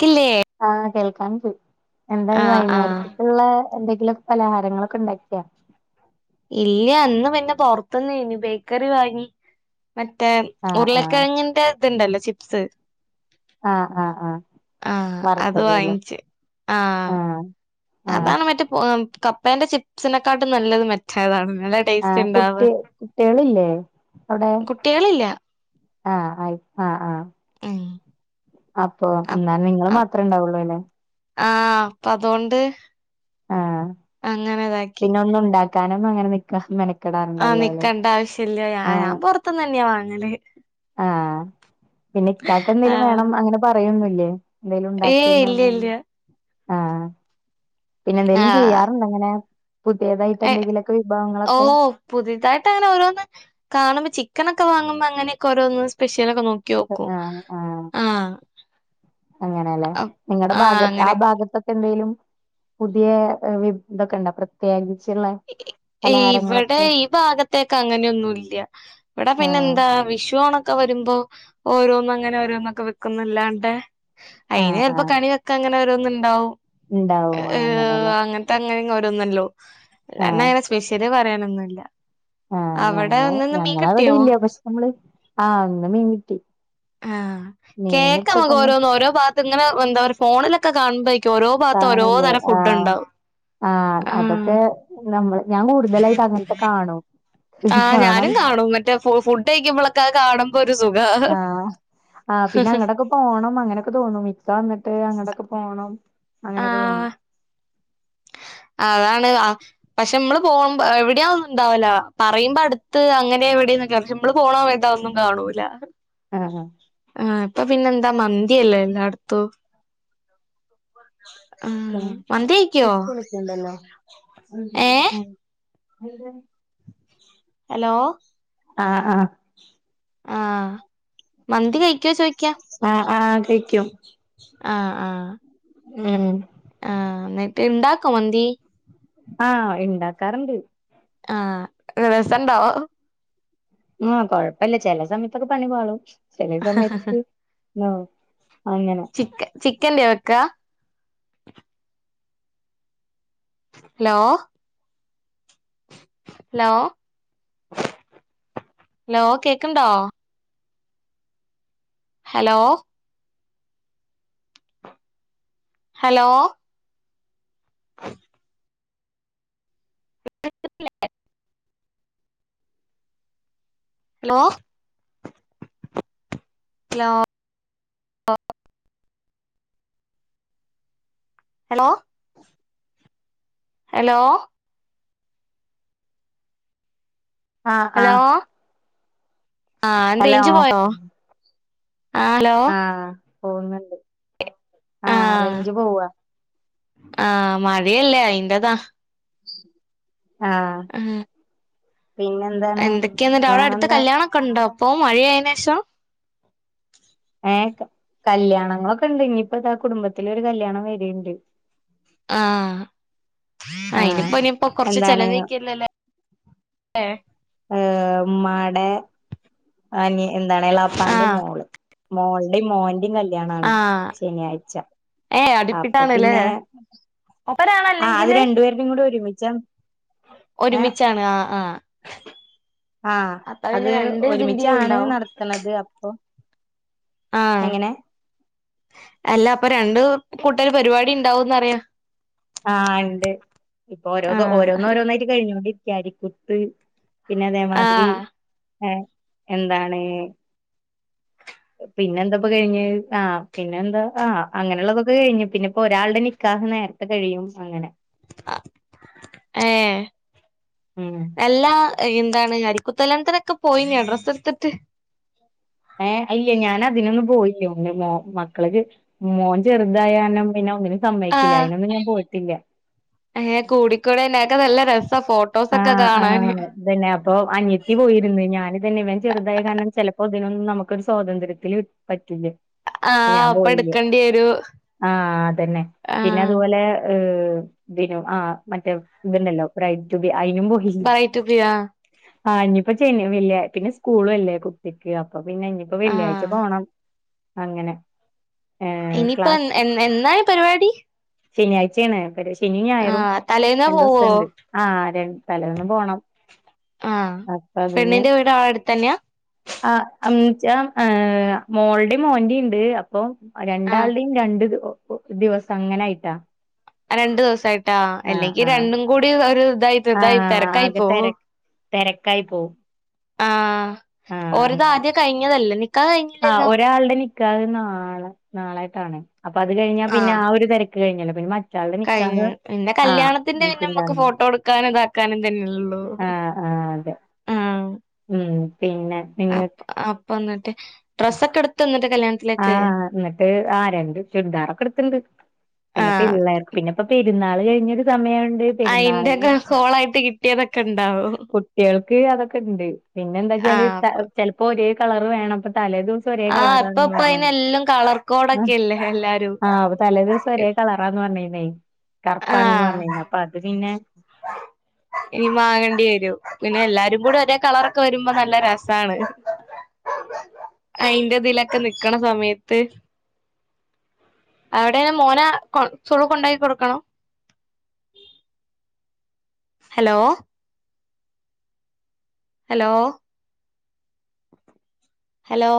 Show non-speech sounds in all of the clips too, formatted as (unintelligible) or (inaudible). ക്കിലെ ആഹ് കേൾക്കാൻ പോയി. എന്താ ആഹ് ആഹ് വൈകുന്നേരത്ത ഉള്ളെഎന്തെങ്കിലും പലഹാരങ്ങളൊക്കെ ഉണ്ടാക്കിയാ ഇല്ല. ഇന്ന് പിന്നെ പുറത്തുന്ന് ന്ന് ബേക്കറി വാങ്ങി. മറ്റേ ആഹ് ആഹ് ഉരുളക്കിഴങ്ങിന്റെ ഇതുണ്ടല്ലോ ചിപ്സ് ആഹ് ആഹ് ആഹ് ആഹ് അത് വറുത്തതല്ലേ വാങ്ങിച്ച് ആഹ് ആഹ് അതാണ് മറ്റേ കപ്പേന്റെ ചിപ്സിനെക്കാട്ടും നല്ലതും മറ്റേതാണ് അല്ലെ ആ കുട്ടി കുട്ടികളി ല്ലേ അവിടെ കുട്ടികളില്ല ആഹ് ആയി ആഹ് ആഹ ആഹ അപ്പൊ ന്നാ നിങ്ങള് മാത്രേ ഉണ്ടാവുള്ളൂ അല്ലെ ആ അപ്പൊ അതൊണ്ട് ആ പിന്നൊന്നും ഇണ്ടാക്കാനും അങ്ങനെ നിക്ക മെന ആ നിക്കണ്ട ആവശ്യില്ല ഞാ ഞാൻ ആഹ് പൊർത്ത്ന്നന്നെയാ വാങ്ങല് ആഹ് പിന്നെ ഇക്കാക്ക എന്തേലും ആഹ് വേണം അങ്ങനെ പറയൊന്നില്ലേ എന്തേലും ഏയ് ഇല്ല ഉണ്ടാക്ക്ന്നൊന്നും ഇല്ല ആഹ് പിന്നെ എന്തേലും ആഹ് ചെയ്യാറുണ്ടോ അങ്ങനെ പുതിയതായിട്ട് എന്തെങ്കിലുമൊക്കെ വിഭവങ്ങളൊക്കെ പുതിതായിട്ട് അങ്ങനെ ഓരോന്ന് കാണുമ്പോ ചിക്കനൊക്കെ വാങ്ങുമ്പോ അങ്ങനെക്കെ ഓരോന്ന് സ്പെഷ്യലൊക്കെ നോ ക്യോക്കും ആഹ് ആഹ് അങ്ങനെയല്ലേ നിങ്ങടെ ആഹ് ഭാഗത് ആ അങ്ങനെ ഭാഗത്തൊ എന്തെലും പുതിയ വിഭ് ഇതൊക്കെ ഇണ്ടോ പ്ര ത്യേകിച്ചിള്ള ഇവിടെ ഈ ഭാഗത്തേക്ക് അങ്ങനെയൊന്നും ഇല്ല ഇവിടെ പിന്നെ ആഹ് എന്താ വിഷു ഓണ ക്ക വരുമ്പോ ഓരോന്ന് അങ്ങനെ ഓരോന്നൊക്കെ വക്കുന്ന് അല്ലാണ്ടെ അയിന് ആഹ് ചെലപ്പോ കണി ക്ക അങ്ങനെ ഓരോന്നുണ്ടാവും ഇണ്ടാവും ആ അങ്ങനെല്ലെ തങ്ങനെയിങ്ങ് ഓരൊന്നല്ലോ ന്ന ആഹ് അങ്ങനെ സ്പെഷ്യല് പറയാനൊന്നുല്ല. ആ അവിടെ ഞങ്ങളെ ഇന്ന് മീൻ ഞങ്ങളവിഡിം കിട്ടിയോ ഇല്ല പക്ഷ് നമ്മള് ആ ന്ന് മീൻ കിട്ടി ആ കേക്കമ്മക്ക് മീനിപ്പതൊന്നും ഓരോന്ന് ഓരോ ഭാത്ത് ഇങ്ങനെ എന്താ പറയാ ഫോണിലൊക്കെ കാണുമ്പോ ക്ക്യോരോ ഭാത്ത് ഓരോ കാണൂലേ തരം ഫുഡ് ആഹ് ണ്ടാവും ആഹ്. നമ്മള് ഞാൻ കൂടുതലായിട്ട് അങ്ങനത്തെ കാണും ആ കാണാൻ ഞാനും ഇഷ് കാണും മറ്റേ ഫു ഫുഡെ ഴിക്കുമ്പോളൊക്കെ അത് കാണുമ്പോ ഒരു സുഖാ ആ പിന്നെ അങ്ങടെക്കെ പോണം അങ്ങനൊക്കെ തോന്നും ഇക്ക വന്നിട്ട് അങ്ങടൊക്കെ പോണം ആ അങ്ങനൊക്കെ തോന്നും അതാണ് ഹാ പക്ഷെ മ്മള് പോവുമ്പോ എവിടെയാ ഒന്നും ഉണ്ടാവൂല. പറയുമ്പാ അടുത്ത് അങ്ങനെ എവിടെന്ന് (unintelligible) മ്മള് പോണോ വേണ്ടാ ഒന്നും കാണൂല. ഹാണെ ആ ഇപ്പൊ പിന്നെന്താ മന്തിയല്ലെ എല്ലാടത്തും ആഹ് മന്തി (unintelligible) കഴിക്കോ ഇപ്പ വിളിക്കുണ്ടല്ലോ ഏഹ് മ്ം (unintelligible) ഹലോ ആഹ് ആഹ് ആ മന്തി കഴിക്കോ ചോയിക്കാ ആ ആ കഴിക്കും ആഹ് ആഹ് ഹെ ആ എന്നിട്ട് ഇണ്ടാക്കോ മന്തി ആ ഇണ്ടാക്കാർ ഇണ്ട് ആ രെസം ണ്ടോ ആ കൊഴപ്പല്ല ചെലേ സമയത്തൊക്കെ പണി പാളും. ചെല സമയത്ത് നോ അങ്ങനെ. ചിക്കന്റെയാ വെക്കാ ഹലോ ലോ ലോ കേക്ക്ണ്ടോ ഹലോ ഹലോ (inaudible) ഹലോ? ലോ ഹലോ ഹലോ ആഹ് ഹലോ ആഹ് ആഹ് ഹലോ ന്തേയ്ഞ്ച് പോയോ ആഹ് ലോ ആഹ് പോവുന്നുണ്ട് ആഹ് റെയ്ഞ്ച് പോവാ. ആഹ് മഴയല്ലേ അയിൻ്റതാ. ആഹ് (unintelligible) പിന്നെന്താ എന്തൊക്കെന്നിട്ട് അവിടെ അടുത്ത് കല്യാണൊക്കെണ്ടോ പ്പോ മഴയായിനേഷം. ഏഹ് ക കല്യാണങ്ങളൊക്ക്ണ്ട്. ഇഞ്ഞിപ്പതാ കുടുംബത്തിലൊരു കല്യാണ വര്ണ്ട്. ആഹ് ആഹ് അയിനിപ്പോ ഇനിയിപ്പോ കൊറച്ച് എന്താണ് ചെലവഴിക്കോല്ലല്ലേ ഏഹ് അത് മ്മാടെ അനി എന്താണ് എളാപ്പാന്റെ ആഹ് മോള്. മോൾടിം മോൻ്റിം കല് ല്ല്യാണാണ് ആഹ് ശനിയാഴ്ച. അപ്പൊ പിന്നെ ഒപ്പരാളാ ആഹ് അത് രണ്ടുപേരുടെയും കൂടി ഒരുമിച്ചാണ്. ഒരുമിച്ചാണ് ആഹ് ആഹ് ആഹ് അപ്പൊ അത് പിന്നെ രണ്ട് ഇതിന്റെയും ഒരുമിച്ചാണ് ഉണ്ടാവും നടത്ത്ണത് അപ്പൊ ആഹ് എങ്ങനെ അല്ല അപ്പൊ രണ്ട് കൂട്ടർ പരിപാടിണ്ടാവുന്നറയ. ആഹ് ഇണ്ട് ഇപ്പോരോന്ന് ആഹ് ഓരോരോന്നായിട്ട് കഴിഞ്ഞോണ്ടിരിക്ക അരിക്കുത്ത് പിന്നതേമാതിരി എഹ് എന്താണ് പിന്നെന്തപ്പ കഴിഞ്ഞെ. ആഹ് പിന്നെന്താ ആഹ് പിന്നെ ന്താ അങ്ങനെയുള്ളതൊക്കെ കഴിഞ്ഞ് പിന്നൊപ്പൊരാളുടെ നിക്കാഹ് നേര് ക്കെ കഴിയും അങ്ങനെ. ഏഹ് ഉം എല്ലാ അയ് എന്താണ് അരിക്കുത്തല്യാൺത്തിനൊക്കെ പോയിനോ ഡ്രസ്സെടുത്തിട്ട് ഏഹ് അയ്യെ ഞാനതിനൊന്നും പോയില്ല പിന്നെ ഞ്ഞ് മക്കള്ക്ക് മോൻ ചെറുതായാരണം പിന്നൊന്നിനും സമ്മയിക്കില്ല. അയിനൊന്നും ഞാൻ പോയിട്ടില്ല. എഹ് കൂടിക്കൂടെയ്‌നോ അഒക്കെ നല്ല രസ ഫോട്ടോസൊക്കെ കാണാന്. ട്ന്നെ അപ്പൊ അനിയത്തി പോയിര്ന്നു. ഞാനിതന്നെ ഇവൻ ചെറുതായ കാരണം ചെലപ്പോ ഇതിനൊന്നും നമുക്കൊരു സ്വാതന്ത്യത്തില് പറ്റുല്ല. പ്പൊ ആഹ് ഞാൻ അപ്പ പോയില്ല എടുക്കേണ്ടി വരും ആഹ് അതന്നെ ആഹ് പിന്നതുപോലെ ഏഹ് തിനു ആ മറ്റേ ഇതുണ്ടല്ലോ ബറൈറ്റ് റ്റു ബി അയിനും പൊട്ടിച്ചക്ക്ണ്. ബ്രൈറ്റ് ബി ആഹ് ആഹ് ഇഞ്ഞിപ്പം ചെന് വില്ലേ പിന്നെ സ്കൂളുഅല്ലേ കു ത്തിക്ക്. അപ്പൊ പിന്നെ ഇഞ്ഞിപ്പോ വെള്ളിയാഴ്ച്ച ആഹ് പോണം. അങ്ങനെ ഏഹ് ഇനിയിപ്പം എന്ന്, എന്നാണ് പരിപാടി ശനിയാഴ്ച്ചേണ് (unintelligible) ശനിം ഞായറും ആഹ് തലേന്നാ പോവോ രണ്ടൂസണ്ട്. ആഹ് അതെ തലേന്ന് പോണം ആഹ് അപ്പൊ അതിന് പെണ്ണിന്റെ വീട് അവിടെ അടുത്തന്നെയാ ആഹ് അന്ന്ച്ചാ ഏഹ് മോള്ടിം മോൻ്റീണ്ട് അപ്പൊ ആഹ് രണ്ടാൾടിം രണ്ട് ഒ ഒ ദിവസങ്ങനയിട്ടാ. ആ രണ്ടു ദിവസായിട്ടാ. അല്ലെങ്കി രണ്ടും കൂടി ഒരു ഇതായിട്ട് ഇതായി ആഹ് തെരക്കായി ആകെ തെര പോവും. തെരക്കായി പോഉം. ആഹ് അങ്ങനെ ഓര്താദ്യേ കഴിഞ്ഞതല്ലേ നിക്ക് ആഹ് ഒരാളുടെ നിക്കാഹ് നാളെ, നാളായിട്ടാണ് അപ്പൊ അത് കഴിഞ്ഞാ പിന്നെ ആ ഒരു തെര ക്ക് കഴിഞ്ഞല്ലോ പിണ്ണ കഴിഞ്ഞ് പിന്നെ കല്ല്യാണത്തിന്റെ പിന്നമുക്ക് ഓണത്തിന്റന്ന് ഫോട്ടോ എടുക്കാനും ഇതാക്കാനും തന്നെലൊള്ളൂ. ആഹ് ആഹ് അതെ ഉം പിന്നെ പിന്നെ പ്പ വന്നിട്ട് ഡ്രസ്സൊക്കെ എടുത്തോ ന്നിട്ട് കല്യാൺത്തിലേക്ക് ആഹ് ന്നിട്ട് ആ രണ്ട് ചുരിദാറൊക്കെടുത്തുണ്ട്. പിന്ന ആഹ് പിള്ളേർ പിന്നപ്പപെ പെരുന്നാള് കഴിഞ്ഞൊരു സമയോണ്ട് പെരുന്നാൾന് അയിന്റെക്കെ കോളായിട്ട് കിട്ടിയതൊക്കെ ഉണ്ടാവും കുട്ടിൾക്ക് അതൊക്കണ്ട്. പിന്നെ ന്താ ച്ചാല് ആഹ് ചെ അപ്പൊ ചെൽപ്പോ ഒരേ കളർ വേണപ്പ തലേ ദിവസം ഒരേ കളറാണന്ന്പറഞ്. ഇപ്പെല്ലം കളർക്കോടൊക്കെല്ലേ എല്ലാരും ആഹ് അപ്പ തലേ ദിവസം ഒരേ കളറാന്ന് പറഞ്ഞന്നേ കറപ്പാണ്ന്ന് ആഹ് പറഞ്ഞന്നെ അപ്പ അത് പിന്നെ (inaudible) ഇനി മാങ്ങേണ്ടി വരൂ. പിന്നെ എല്ലാരും കൂടി ഒരേ കളറൊക്കെ വരുമ്പോ നല്ല രസാണ്. (inaudible) അയിന്റെതിലൊക്കെ നിക്കണ സമയത്ത് അവിടെനഞാ മോനെ കൊ സുകൂള് ക്കൊണ്ടാക്കി കൊടുകണം hello hello, hello?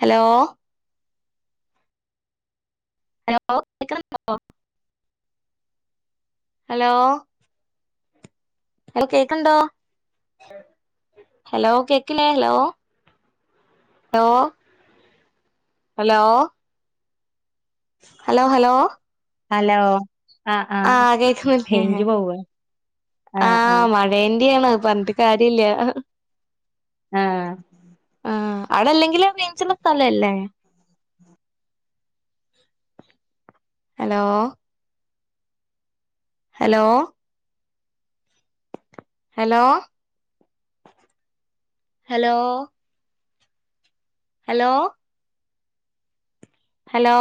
Hello? Hello? കേക്കുന്നുണ്ടോ ഹലോ? ഹലോ കേക്ക്‌ണ്ടോ ഹലോ കേക്ക്‌ലേലോ hello hello? Hello hello hello ആ, ആ ആഹ് കേക്കുന്നില്ലേ റേയിഞ്ച് പോവ ആഹ്, ആഹ്. വേണ്ടിയണ് പറഞ്ഞിട്ട് കാര്യല്ല. ആഹ് ആഹ് അവിടല്ലെങ്കിലും റേഞ്ചുള്ള സ്ഥലല്ലേ. Hello hello? Hello, hello? Hello hello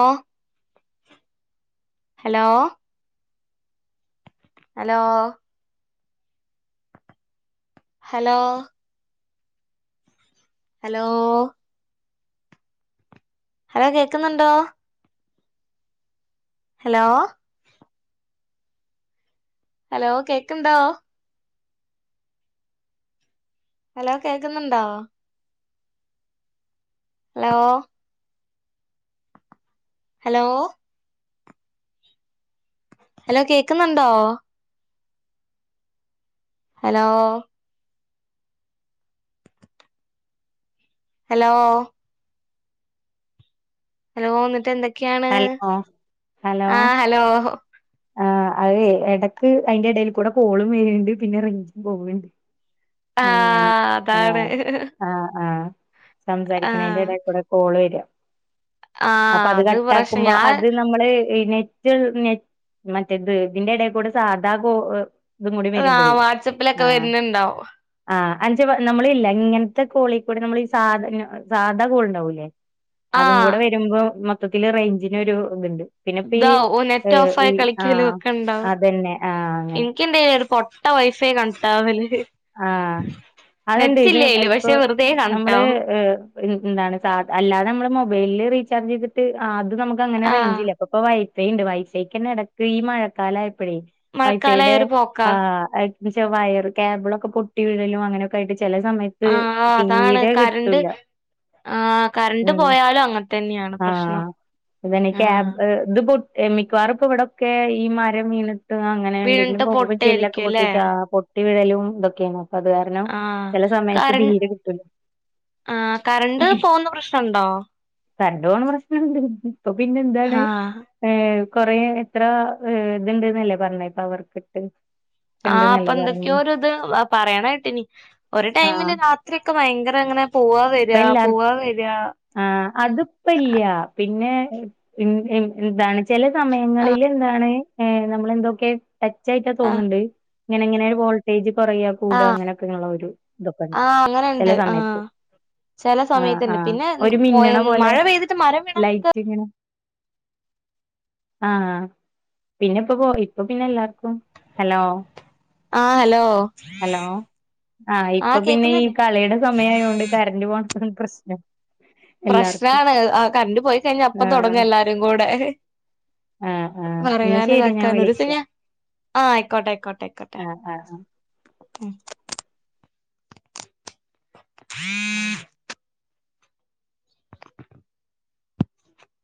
hello? Hello hello? Hello? Hello കേക്ക്‌ന്ന്ണ്ടോ ഹലോ? ഹലോ കേക്ക്‌ണ്ടോ? ഹലോ കേക്ക്‌ന്ന്ണ്ടോ? ഹലോ? ഹലോ ഹലോ കേക്ക്‌ന്ന്ണ്ടോ? ഹലോ? ഹലോ ഹലോ ന്നിട്ട് എന്തൊക്കെയാണ്. ഹലോ ഹലോ ആ ഹലോ? ആ അയെ എടക്ക് അയിന്റെ എടേൽ കൂടെ കോളും വരുണ്ട് പിന്നെ റെഞ്ചും പോവണ്ട്. (inaudible) ആഹ് അതാണ്. അ ആഹ് സംസാരിക്കണീന്റെ ആഹ് എടക്കൂടെ കോള് വര. അപ്പൊ ആഹ് അത് പ്രശ്നം കട്ടാക്കുമ്പോ ഞാൻ അത് നമ്മള് ഈ നെറ്റ്ൾ നെറ്റ് മറ്റേത് ഇതിന്റെ എടെക്കൂടെ സാധാകോ ഇതും കൂടി ആഹ് വരുമ്പഴേ വാട്സപ്പിലൊക്കെ ആഹ്. വരുന്നുണ്ടാവും ആഹ് അത് നമ്മളല്ലെ ങ്ങനത്തെ കോളികൂടെ നമ്മള് ഈ സാധ സാധാ കോള്ണ്ടാവൂല്ലേ. അതും ആഹ് കൂടെ വരുമ്പോ മൊത്തത്തില് റൈഞ്ചിന് ഒരു ഇത്ണ്ട് പിന്നെ ഇപ്പ ഈ ഇതാവും നെറ്റ് ഓഫായി ഹ് കളിക്കലും ആഹ് ഒക്കെ ഉണ്ടാവും അതന്നെ ആഹ് അങ്ങനെ (unintelligible) ഒരു പൊട്ട വൈഫൈ കണക്ട് ആവല് ആഹ് അതന്തെ ഇത് ഇപ്പൊ പക്ഷെ വെറുതെ നമ്മള് കണക്റ്റാവും എന്താണ് സാധ അല്ലാതെ നമ്മള് മൊബൈലിൽ റീചാർജ് ചെയ്തിട്ട് അത് നമുക്ക് അങ്ങനെ ആഹ് റേഞ്ചില്ല അപ്പ ഇപ്പ ഫൈ ഉണ്ട് വൈഫൈക്ക് തന്നെ ഇടക്ക് ഈ മഴക്കാല ആയപ്പഴേ വൈഫൈയുടെ മഴക്കാലായ ഒരു പോക്കാ ആ ന്ന്ച്ച വയർ കേബിളൊക്കെ പൊട്ടി വീഴലും അങ്ങനെയൊക്കെ ആയിട്ട് ചെല സമയ ആ ആ അതാണ് കരണ്ട് ആ കരണ്ട് ഉം പോയാലും അങ്ങൻത്തെന്നെയാണ് പ്രശ്നം ആ ഇത്പ്പോ മിക്കവാറുംപ്പോ ഇവിടൊക്കെ ഈ മരം വീണ് ട്ട് അങ്ങനെ എന്തെങ്കിലും വീണിട്ട് കൊമ്പും ചില്ലയൊക്ക പൊട്ടായിരിക്കും അല്ലേ പൊട്ടിട്ട് ആ പൊട്ടി വീഴലും ഇതൊക്കെയ്നി അത് കാരണം ആഹ് ചില സമയത്ത് തീരെ കിട്ടൂല ആ കറണ്ട് പോവുന്ന പ്രശ്നണ്ടോ? കരണ്ട് പോണ പ്രശ്നം ഇണ്ട് ഇപ്പൊ പിന്നെ എന്താണ്? ആഹ് ഏ കൊറേ എത്ര ഇത്ണ്ട്ന്നല്ലേ പറഞ്ഞ പവർക്കട്ട്. ആഹ് ഇപ്പൊ എന്തൊക്കെയോ ഒരു പറയ കേട്ട്ണി ഒരു ആഹ് ടൈമില് രാത്രി ഒക്കെ ഭയങ്കര അങ്ങനെ പോവാ വരാ പോവാ വരാ ആ അതിപ്പ ഇല്ല്യ പിന്നെ എന്താണ്? ചില സമയങ്ങളിൽ ആഹ് എന്താണ്, നമ്മളെന്തൊക്കെ ടച്ച് ആയിട്ടാ ആഹ് തോന്ന്ണ്ട് ഇങ്ങനെ ഇങ്ങനെ വോൾട്ടേജ് കുറയ കൂട അങ്ങനെയൊക്കെള്ള ഒരു ഇതൊക്കെ ഇണ്ട് ആഹ് ചെല അങ്ങനെണ്ട് ആഹ് സമയത്ത്. ചെല ആഹ് സമയത്തുണ്ട് ആഹ് പിന്നെ ഒരു പോയ മിന്നണ പോലെ മഴ പെയ്തിട്ട് മരം വീണാ ലൈറ്റിങ്ങനെ. ആഹ് പിന്നെ ഇപ്പ പൊ ഇപ്പൊ പിന്നെ എല്ലാർക്കും ഹലോ ആഹ് ഹലോ ഹലോ ആ ഇപ്പൊ ആഹ് പിന്നെ ഈ കേക്കുന്നില്ലേ കളിടെ സമയായോണ്ട് (inaudible) പ്രശ്നം എല്ലാർക്കും പ്രശ്നാണ് ആ കറണ്ടു പോയി കഴിഞ്ഞ അപ്പം തുടങ്ങും ആഹ് എല്ലാരും കൂടെ ആഹ് ആഹ് എന്നാ പറയാനു ശരി ഞാൻ ഇതാക്കാന ഒരുസം വിളിക്കാം ഞാ ആഹ് ആയിക്കോട്ടെ ആയിക്കോട്ടെ ആയിക്കോട്ടെ ആഹ് ആഹ് ഉം